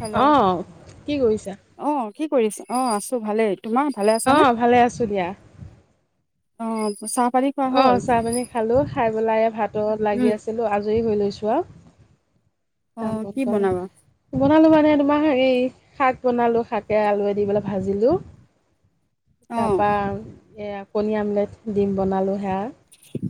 Hello অ' কি কৰিছা? অ কি কৰিছে? অ' আছোঁ ভালেই। তোমাৰ ভালে আছানে অ' ভালে আছোঁ দিয়া। অ'। ম চা অ' চাহ-পানী খালোঁ। খাই পেলাই এয়া ভাতত লাগি উম আছিলোঁ। আ আজৰি হৈ লৈছোঁ আও। অ কি কাম-বন বনাবা [inaudible] বনালোঁ মানে তোমাৰ হেৰি, শাক বনালোঁ। শাকে আলুৱে দি পেলাই ভাজিলোঁ। অ তাৰপা এয়া কণী আমলেট ডিম বনালোঁ সেয়া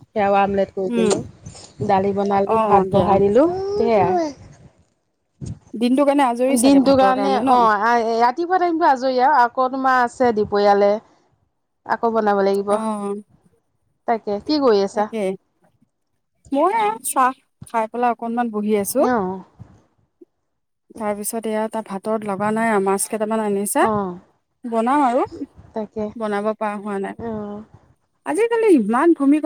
সেয়াও আমলেট কৰি উম দিলোঁ। দালি অ বনালোঁ, অ ভাত দিয়া বহাই দিলোঁ সেয়া। দিনটো কাৰণে আজৰি চাগে দিনটো ভাতৰ কাৰণে, ন অ' আই ৰাতি পুৱা টাইমটো আজৰি আও। আকৌ তোমাৰ আছে দুপৰীয়ালে। আ কৌ বনাব লাগিব। অ তাকে কি কৰি আছা তাকে। মই এ আৰু চাহ খাই পেলাই অকনমান বহি আছোঁ। অঁ তাৰপিছত এয়া তাত ভাতত লগা নাই। আ- মাছ কেইটামান আনিছে অঁ বনাও আৰু তাকে বনাব পৰা হোৱা নাই। অ আজিকালি ইমান ভূমি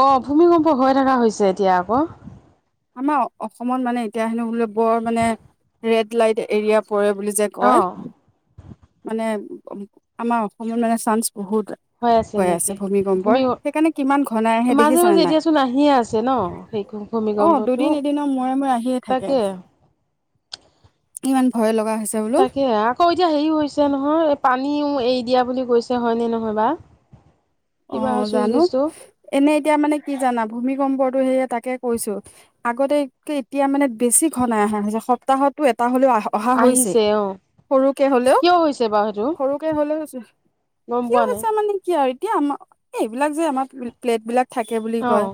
অ, ভূমিকম্প হৈ থকা হৈছে এতিয়া আকৌ। আমাৰ অসমত মানে এতিয়া হেনো বোলে বৰ মানে ৰেড লাইট এৰিয়া পৰে বুলি যে অ কয় মানে আমাৰ অসমলৈ মানে চান্স বহুত। হৈ আছে ভূমিকম্পৰ সেইকাৰণে কিমান ঘনাই আহে মাজে দেখিছানে মাজে নাই। এতিয়াচোন আহিয়ে আছে ন সেই অ, ভূমিকম্পটো দুদিন এদিনৰ মূৰে-মূৰে আহিয়ে থাকে। তাকে ইমান ভয় লগা হৈছে বোলো তাকে আকৌ এতিয়া হেৰি হৈছে নহয়, পানীও এই দিয়া বুলি কৈছে হয়নে নহয় বা। অ, কিবা চুইচ জানো গেছটো এনে এতিয়া মানে কি জানা ভূমিকম্পটো সেই তাকে কৈছো আগতে এতিয়া মানে বেছি ঘনাই আহে সপ্তাহতটো এটা হ'লেও আহে। অহা, হৈছে আহিছে অ সৰুকে হ'লেও। কিয় হৈছে বাৰু সেইটো সৰুকে হলে হৈছে গম কিয় পোৱা নাই হৈছে মানে কি আৰু এতিয়া আমাৰ এইবিলাক যে আমাৰ প্লেট বিলাক থাকে বুলি অ কয়।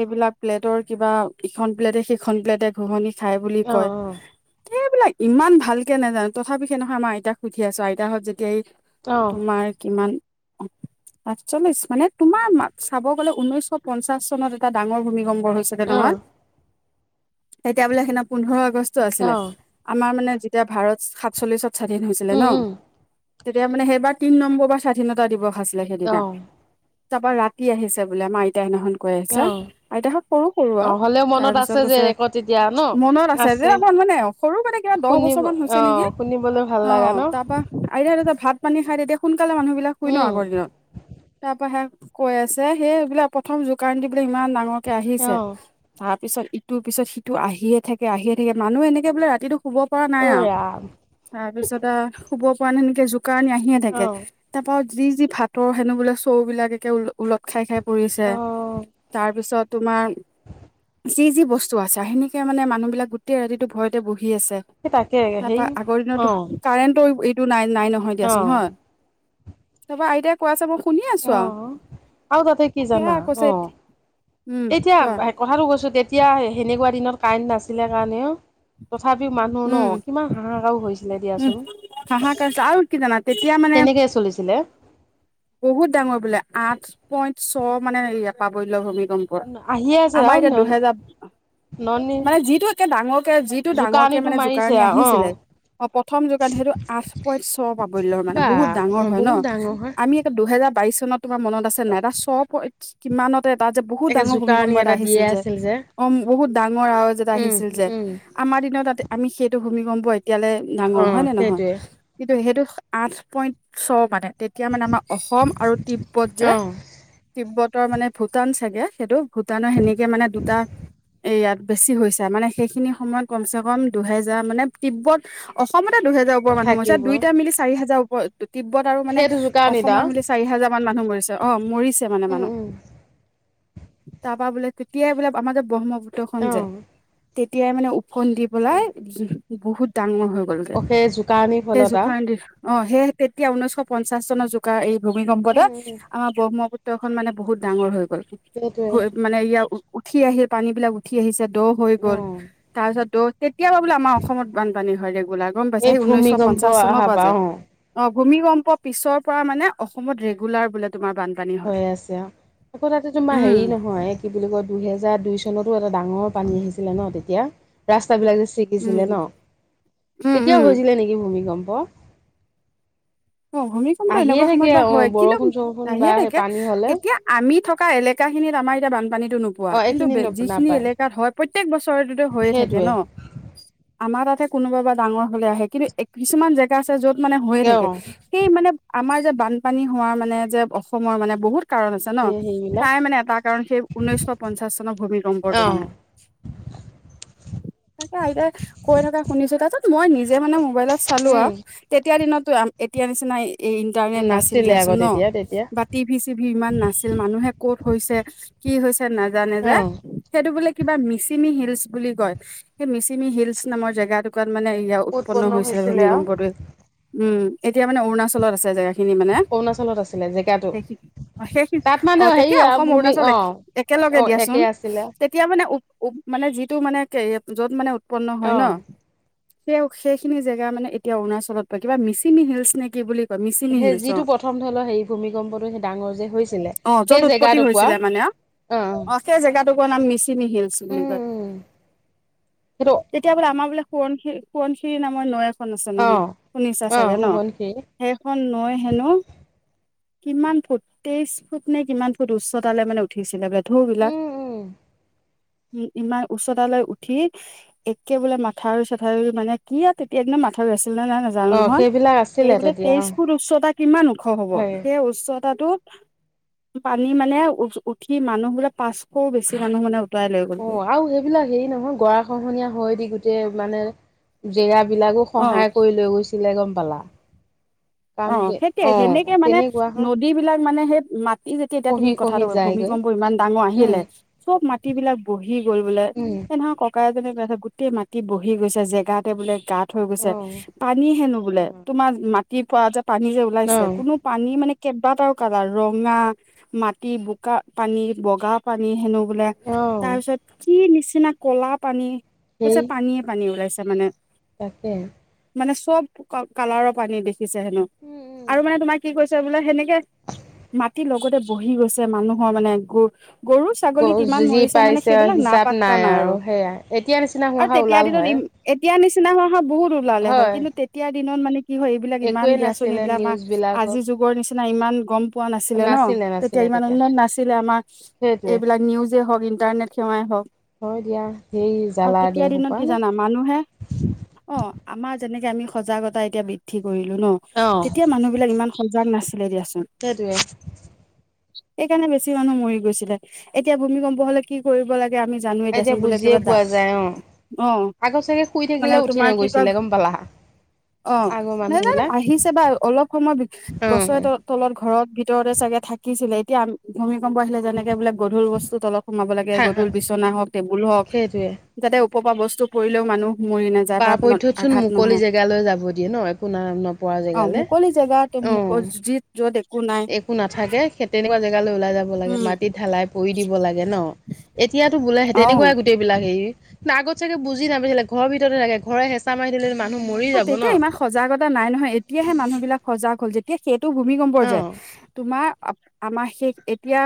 এইবিলাক প্লেটৰ কিবা ইখন প্লেটে সেইখন প্লেটে ঘুহনি খাই বুলি অ কয় এইবিলাক ইমান ভালকে নাজানো তথাপি সেইদিনাখন আমাৰ আইতাক সুধি আছো আইতাহত যেতিয়া এই অ তোমাৰ কিমান আঠচল্লিশ মানে তোমাৰ চাব গলে ঊনৈশ পঞ্চাশ চনত এটা ডাঙৰ ভূমিকম্প হৈছিলে অ অ নহয় এতিয়া বোলে সেইদিনা পোন্ধৰ আগষ্ট অ আছিলে আমাৰ মানে যেতিয়া ভাৰত সাতচল্লিশত স্বাধীন হৈছিলে ন? উম উম তেতিয়া মানে সেইবাৰ তিন নম্বৰ বাৰ স্বাধীনতা দিৱস আছিলে অ সেইদিনা। তাপা ৰাতি আহিছে বোলে আমাৰ আইতাই সেইদিনাখন কৈ আছে অ আইতাহত সৰু- সৰু অ আৰু হ'লেও তাৰ মনত পিছত আছে যে কৈছে ৰেকৰ্ড তেতিয়া ন মনত আছে যে আমাৰ মানে সৰু মানে কিবা দহ শুনিব বছৰ মান হৈছে নেকি অ' শুনিবলৈ ভাল অ, লগা ন? তাৰপা আই ভাত পানী খাই তেতিয়া সোনকালে মানুহ বিলাক শুই ন উম, আগৰ দিনত তাৰ পৰা হে কৈ আছে সেইবিলাক প্ৰথম জোকাৰি দি বোলে ইমান ডাঙৰকে আহিছে অ' তাত। পিছত ইটো পিছত সিটো আহিয়ে থাকে আহিয়ে থাকে মানুহ এনেকে বোলে ৰাতিটো শুব পৰা নাই অ' আৰু ৰাম তাৰ পিছত শুব পৰা নাই তেনেকে কাৰণি আহিয়ে থাকে অ' তাৰপা যি - যি ভাতৰ সেনো বোলে চও বিলাক একে ওলট খাই - খাই পৰিছে অ' তাৰ পিছত তোমাৰ যি-যি বস্তু আছে সেনেকে মানে মানুহ বিলাক গোটেই ৰাতিটো ভয়তে বহি আছে সেই তাকে সেই তাপা আগৰ দিনতটো অ' কাৰেন্টৰ এইটো নাই। নাই নহয় দিয়াচোন অ' হয় তাপা আইতাই কৈ আছে মোক শুনি আছো আৰু অ' আৰু তাতে কি সেয়া জানা কৈছে অ' উম এতিয়া কোৱা কথাটো কৈছো তেতিয়া সেনেকুৱা দিনত কাৰেণ্ট নাছিলে কাৰণেহে তথাপিও মানুহ ন উম কিমান হাহাকাৰও হৈছিলে উম দিয়াচোন হাহাকাৰ হৈছে আৰু কি জানা তেতিয়া মানে তেনে কে চলিছিলে। বহুত ডাঙৰ বোলে আঠ পইণ্ট ছ মানে এৰিয়া প্ৰাবল্য ভূমি কম্প ৰ আহিয়ে আছে আমাৰ আৰু এতিয়া নন দুহেজাৰ ননী মানে যিটো একে ডাঙৰকে যিটো ডাঙৰকে জোকাৰণিটো মানে মাৰিছে জোকাৰণি আৰু অ' আহিছিলে। অ, প্ৰথম যোগান সেইটো আঠ পইন্ট ছ পাবল্যৰ মানে বা বহুত ডাঙৰ অ' হয় ন বহুত ডাঙৰ হয় আমি একে দুহেজাৰ বাইশ চনত তোমাৰ মনত আছে নাই ছ কিমানত তাত যে বহুত একে ডাঙৰ ভূমিকম্প জোকাৰণি এটা দিয়ে আহিছিল যে আছিল অ, বহুত ডাঙৰ আৰু এটা উম, আহিছিল যে উম, আমাৰ দিনত তাতে আমি সেইটো ভূমিকম্প এতিয়ালে ডাঙৰ হয় অ', নে নহয় সেইটোৱে কিন্তু সেইটো আঠ পইন্ট ছ মানে তেতিয়া মানে আমাৰ অসম আৰু তিব্বত যে অ', তিব্বত উৰ মানে ভূটান চাইতে সেইটো ভূটানৰ সেনেকে মানে দুটা এয়াত বেছি হৈছে মানে সেইখিনি সময়ত কমচেকম দুহেজাৰ মানে তিব্বত অসমতে দুহেজাৰ ওপৰ মানুহ মৰিছে থাকিব। দুইটা মিলি চাৰি হাজাৰ ওপৰত তিব্বত আৰু মানে সেইটো জোকাৰণিত অসমৰ আও মিলি চাৰি হাজাৰ ইমান মানুহ মৰিছে অ মৰিছে মানে উম, মানুহ উম, তাৰ পা বোলে তেতিয়াই বোলে আমাৰ যে ব্ৰহ্মপুত্ৰ খন যে অ', তেতিয়াই মানে ওফন্দি বলাই উ বহুত ডাঙৰ হৈ গ'ল গে অ', সেই জোকাৰণিৰ সেই ফলত আও জোকাৰ দি অ'সেয়েহে তেতিয়া ঊনৈশ পঞ্চাশ চনৰ যুগ আৰু এই ভূমিকম্পতে উম, উম, আমাৰ ব্ৰহ্মপুত্ৰ খন মানে বহুত ডাঙৰ হৈ গ'ল সেইটোৱে হৈ মানে ইয়াৰ উঠি আহিল পানী বিলাক উঠি আহিছে দ হৈ গ'ল অ', তাৰপিছত দ তেতিয়া পৰা বোলে আমাৰ অসমত বানপানী হয় গোলা গম পাইছা এই হেই ঊনৈছশ ভূমিকম্প পঞ্চাশ চনৰ আহাৰ পৰা যে অ ভূমিকম্প পিছৰ পৰা মানে অসমত ৰেগুলাৰ বোলে তোমাৰ বানপানী হয়। হৈ আছে আৰু আকৌ তাতে তোমাৰ উম হেৰি নহয় কি বুলি কয় দুইহেজাৰ দুই চনতো এটা ডাঙৰ পানী আহিছিলে ন তেতিয়া ৰাস্তা ৰাস্তা বিলাক যে চিগিছিলে উম ন' উম তেতিয়াও উম। হৈছিলে নেকি ভূমিকম্প? ক অ ভূমিকম্পটো এনেকুৱা সময়ত বা হয় কিন্তু বৰষুণ চৰষুণ বা আহিয়ে সেই থাকে পানী হ'লে এতিয়া আমি থ [unintelligible] থকা এলেকাখিনিত আমাৰ এতিয়া বানপানী নোপোৱা অ', কিন্তু এইখিনি ন যিখিনি নাপায় এলেকাত হয় প্ৰত্যেক বছৰেতো হৈয়ে থাকে সেইটোৱে ন আমাৰ তাতে কোনোবা বা ডাঙৰ হলে আহে কিন্তু কিছুমান জেগা আছে য'ত মানে হৈয়ে থাকে অ'। সেই মানে আমাৰ যে বানপানী হোৱা মানে যে অসমৰ মানে বহুত কাৰণ আছে ন গোটেই হেৰিবিলাক তাই মানে এটা কাৰণ সেই ঊনৈশ পঞ্চাশ চনৰ ভূমিকম্পৰটো মানে অ', [inaudible] তাকে আহে কৈ থকা শুনিছো তাৰছত মই নিজে মানে মোবাইলত চালো আৰু তেতিয়া দিনত এতিয়া নিচিনা এই ইণ্টাৰনেট নাছিল নাছিলে দিয়াচোন আগত ন তেতিয়া তেতিয়া বা টি ভি চি ভি ইমান নাছিল মানুহে কত হৈছে কি হৈছে নাজানে যে অ', সেইটো বোলি কিবা মিচিমি হিলচ বুলি কয়, সেই মিচিমি হিলচ নামৰ জেগা টুকুৰাত। মানে ইয়া উৎপন্ন হৈছে হৈছিলে আমি গম আৰু পোৱাতোৱে উম, এতিয়া মানে অৰুণাচলত আছে জেগা খিনি মানে অৰুণাচলত আছিলে জেগাটো সেইখিনি সেইখিন তাত অ মানে হেৰি তেতিয়া আৰু অসম ভূমি অৰুণাচল অ', একে লৈকে অ', দিয়াচোন একে আছিলে তেতিয়া মানে উ মানে যিটো মানে য'ত মানে উৎপন্ন হয় ন অ', সেই সেইখিনি জেগা মানে এতিয়া অৰুণাচলত পৰে, কিবা মিচিমি হিলছ নে কি বুলি কয় মিচিমি সেই হিলচ অ যিটো প্ৰথম ধৰি লও হেৰি ভূমিকম্পটো সেই ডাঙৰ যে হৈছিলে অ য'ত সেই উৎপত্তি জেগাটুকুৱা হৈছিলে মানে অ অ সেই জেগাটোকোৰা নাম মিচিনি হিলচ বুলি উম, কয় উম সেইটো তেতিয়া বোলে আমাৰ বোলে সোৱণ সোৱণশিৰৰি নামৰ নৈ এখন আছে নহয় অ', শুনিছা অ', চাগে ন সোৱণশিৰি সেখন নৈ হেনো কিমান ফুট তেইশ ফুট নে কিমান ফুট উচ্চতালৈ মানে উঠিছিলেগে ধৌ বিলাক উম, উম, [inaudible] উ ইমান উচ্চতালৈ উঠি একে বোলে মাথাউৰি চাথাউৰি মানে কি আৰু তেতিয়া একদম মাথাউৰি আছে নে নাই নাজানো অ', নহয় সেইবিলাক সেই আছিলে বোলে তেতিয়া তেইশ অ', ফুট উচ্চতা কিমান ওখ হ'ব হয় সেই উচ্চত তাতো পানী মানে উ উঠি মানুহ বোৰে পাঁচশও বেছি মানুহ মানে উঠ [unintelligible] অ আৰু সেইবিলাক হেৰি নহয় গৰা খহনীয়া হয় দি গোটেই মানে জেগা বিলাকো অ খহায় কৰি লৈ গৈছিলে গম পালা কাৰণ অ' কি সেই তিয়াই সেনেকে অ' মানে তেনেকুৱা হ নদী বিলাক মানে সেই মা ই যেতিয়া এতিয়া তুমি খহি কথাটো খহি কয় যায়গৈ ভূমিকম্প ইমান ডাঙৰ উম। আহিলে চব মাটি বিলাক বহি গ'ল বোলে। উম সেই নহৰ ককা এজনে কৈ আছে গোটেই মাটি বহি গৈছে জেগাতে বোলে গাত থ গৈছে অ' পানী হেনো বোলে তোমাৰ মাটিৰ প যে পানী যে ওলাইছে অ' কোনো পানী মানে কেইবাটাও কালাৰ ৰঙা মাটি বোকা পানী বগা পানী হেনো বোলে তাৰ অ' পিছত কি নিচিনা ক'লা পানী সেই পানীয়ে পানী ওলাইছে মানে তাকে মানে চব কালাৰৰ পানী দেখিছে হেনো উম উম। আৰু মানে তোমাৰ কি কৈছ বোলে সেনেকে মাটিৰ লগতে বহি গৈছে মানুহৰ মানে গ গৰু ছাগলী কিমান যি মৰিছে মানে পাইছে সেইবিলাক হিচাপ নাইপাতা নাই আৰু সেয়াই এতিয়া নিচিনা হোৱা আৰু হয় তেতিয়া ওলাল দিনত হয়। এতিয়া নিচিনা হোৱা হয় বহুত ওলালে হয় কিন্তু তেতিয়াৰ দিনত মানে কি হয়। এইবিলাক ইমান একোৱে দিয়াচোন নাছিলে এইবিলাক আমাৰ নিউজ বিলাক আজিৰ যুগৰ নিচিনা ইমান গম। পোৱা নাছিলে ন তেতিয়া ইমান উন্নত নাছিলে আমাৰ। সেইটোৱে এইবিলাক নিউজে হওক ইণ্টাৰনেট সেৱাই হওক হয় দিয়া সেই আৰু জালা দে তেতিয়া দিনত এসোপা। কি জানা মানুহে অ আমাৰ যেনেকে আমি সজাগতা এতিয়া বৃদ্ধি কৰিলো ন' অ', তেতিয়া মানুহ বিলাক ইমান সজাগ নাছিল। সেইটোৱে। সেইকাৰণে বেছি মানুহ মৰি গৈছিলে এতিয়া ভূমিকম্প হলে কি কৰিব লাগে। আমি জানোৱে এতিয়া দিয়াচোন বোলে বুজিয়ে কিবা দা পোৱা যায় অ। অ আগত চাগে শুই মানে থাকিলেও উঠি তোমাৰ কি কয় নগৈছিলে গম পালা অ আগৰ মানুহ। আহিছে বা অলপ সময় গছৰে অ', তলত ঘৰত ভিতৰতে চাগে থাকি। ছিলে এতিয়া ভূমিকম্প আহিলে যেনেকে বোলে গধুৰ বস্তু তলত সোমাব লাগে গধুৰ বিচনা হওক, টেবুল হওক সেইটোৱে যাতে- ওপৰৰ পৰা বস্তু পৰিলেও মানুহ মৰি নাযায় বা পাৰাপধ্যতচোন আঘাত মুকলি নহয়। জেগালৈ যাব দিয়ে ন একো ন নপৰা অ জেগালে মুকলি জেগটো মু অ'। যি- য'ত একো নাই একো নাথাকেে তেনেকুৱা জেগালৈ ওলাই যাব লাগে উম মাটিত ঢালাই পৰি দিব লাগে ন। এতিয়া। বোলে অ তেনেকোৱাই গোটেই বিলাক সেই আগত চাগে বুজি নাপাইছিলে ঘৰ ভিততে থাকে ঘৰে হেঁচা মাৰ দিলে ম অ তেতিয়া ইমান সজাগতা নাই নহয়। এতিয়াহে মানুহ বিলাক সজাগ হ'ল যেতিয়া সেই- ভূমিকম্পৰ যে অ', তোমাৰ- আমাৰ শেষ এতিয়া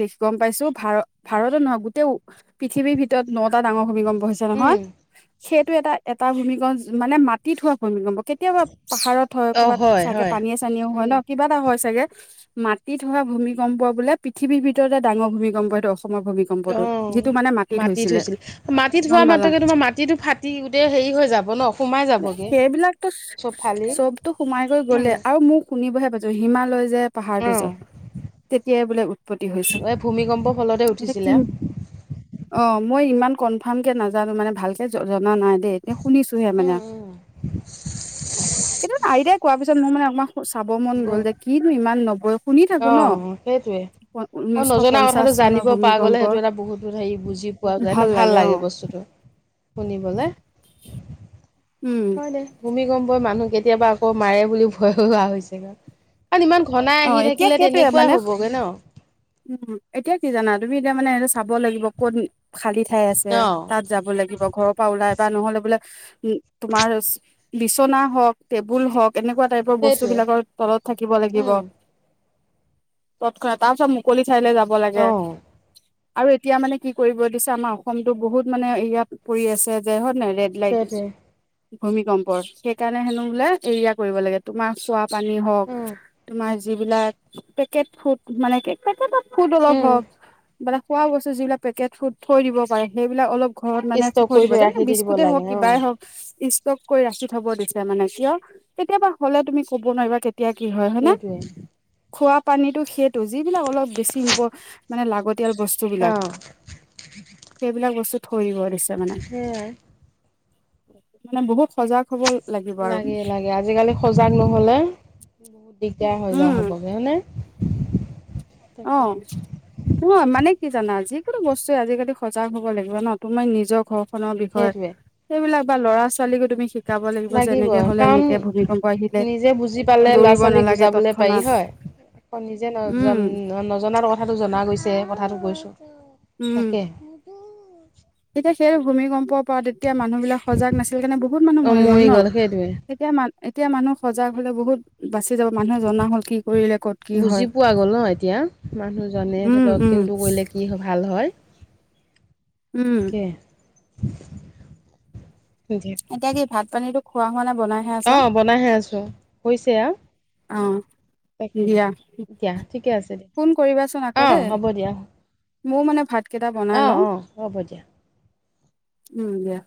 দেখি গম পাইছো ভাৰ ভাৰতো নহয় গোটেই পৃথিৱীৰ ভিতৰত নটা ডাঙৰ ভূমিকম্প- হৈছে নহয় উম, সেইটো এটা, এটা ভূমিকম্প মানে মাটিত হোৱা ভূমিকম্প। কেতিয়াবা পাহাৰত হয় অ', ক'ৰবাত চাগে হয়, পানীয়ে চানীয়েও হয় ন উম। কিবা এটা হয় চাগে মাটিত হোৱা ভূমিকম্প বোলে পৃথিৱীৰ ভিতৰতে ডাঙৰ ভূমিকম্প এইটো। অসমৰ অ ভূমিকম্পটো। যিটো মানে মাটিত মাটি হৈছিলে, থৈছিল মাটি থোৱা গম পালা? মাতকে তোমাৰ মাটিতটো ফাটি গোটেই হেৰি হৈ যাব [unintelligible] এ সেইবিলাকতো চব ফালি চবতো সোমাই কৈ উম, গ'লে আৰু মোক শুনিবহ- হিমালয় যে পাহাৰটো যে অ', তেতিয়াই বোলে উৎপত্তি হৈছে। এই ভূমিকম্পৰ ফলতে এতিয়া উঠিছিলে। কিম অ মই ইমান। কনফাৰ্ম কে নাজানো মানে ভালকে জনা নাই দেই এ শুনিছোহে মানে কেতিয়াবা আইটায় কোৱা পিছত মোৰ মানে আমাক- চাব মন গ'ল যে কিনো ইমান নবয়- অ সেইটোয়ে অ ঊনৈশ নজনা পঞ্চাশ কথাটো চনৰ জানিব পৰা ভূমিকম্প গ'লে সেইটো এটা বহুত হেৰি বুজি- পোৱা যায় ন ভাল লাগে বস্তুটো শুনিবলে। উম হয় দে ভূমিকম্পই মানুহ কেতিয়াবা আকৌ মাৰে বুলি ভয় হয় হোৱা হৈছেগৈ। ইমান ঘনাই অ আহি এতিয়া থাকিলে সেইটোয়ে তেনেকুৱাই মানে হ'বগে ন? উম, এতিয়া কি জানা তুমি এতিয়া মানে সেইটো চাব লাগিব ক'ত- খালী ঠাই আছে অ', তাত যাব লাগিব ঘৰৰ পৰা ওলাই বা নহ'লে বোলে উ তোমাৰ বিচনা হওক, টেবুল হওক- এনেকোৱা টাইপৰ বস্তু সেইটোৱে বিলাকৰ তলত থাকিব লাগিব উম, তৎক্ষণা তাৰ পিছত মুকলি ঠাইলে যাব লাগে অ', আৰু এতিয়া মানে কি কৰিব দিছে আমাৰ অসমতো বহুত মানে ইয়াত পৰি আছে যে হয় নাই। ডেডলাইন দিছে সেইটোৱে। ভূমিকম্পৰ, সেইকাৰণে হেনো এৰিয়া কৰিব লাগে তোমাৰ চোৱা পানী হওক উম যিবিলাক পেকেট ফুট পেকেট ত ফুট অলপ উম হওক মানে খোৱা বস্তু যিবিলাক পেকেটু থৈ দিব পাৰে সেইবিলাক অলপ- ঘৰত মানে ষ্টক [unintelligible] কৰি দিব থৈ ৰাখি যেনেকে দি দিব বিস্কুটে লাগে হওক অ কিবাই হওক- যোৰ কৈ ৰাখি থব দিছে মানে। কিয় কেতিয়াবা হ'লে তুমি কব নোৱাৰিবা কেতিয়া কি হয় নে। সেইটোৱেই। খোৱা পানীটো সেইটো যিবিলাক অলপ বেছি ইমপ মানে লাগতি তেওঁৰ অ বস্তুবিলাক সেইবিলাক বস্তু থইদিব আৰু- সেইয়াই। মানে বহুত সজাগ হ'ব লাগিব আৰু লাগে লাগে আজিকালি সজাগ নহলে দিগদাৰ। এতিয়া হৈ যোৱা উম হ'ব নে। অ নহয় মানে- কি জানা যিকোনো বস্তুৱে আজিকালি সজাগ হ'ব লাগিব ন, তুমি নিজক হওক। ঘৰখনৰ বিষয়ে সেইটোৱে সেইবিলাক বা ল'ৰা ছোৱালী ছোৱালীকো তুমি শিকাব লাগিব যে, এনেকে হ'লে এনেকে, ভূমিকম্প আহিলে নিজে বুজি পালে ল'ৰা দৌৰিব ছোৱালীক নালাগে বুজাবলৈ তৎক্ষণা পাৰি হয় আকৌ নিজে নজনা- নজনাৰ কথাটো জনা গৈছে কথাটো কৈছোঁ উম তাকে এতিয়া সেই ভূমিকম্পৰ পৰা তেতিয়া মানুহ বিলাক সজাগ নাছিল কাৰণে বহুত মানুহ মৰি গ'ল ন তেতিয়া মান এতিয়া মানুহ সজাগ হলে বহুত বাচি যাব মানুহে জনা হ'ল কি কৰিলে ক'ত কি হয় বুজি পোৱা গ'ল উম উম কোনটো কৰিলে কি ভাল হয়। উম তাকে এতিয়া কি ভাত পানীতো খোৱা হোৱা নাই- বনাইহে অ আছা বনাইহে আছো হৈছে আৰু। অঁ। তাকে। দিয়া দিয়া ঠিকে আছে দিয়া, ফোন কৰিবাচোন আকৌ অ', দেই। হ'ব দিয়া, ময়ও মানে ভাতকেইটা বনাই অ', লওঁ অ', হ'ব দিয়া। উম দিয়া।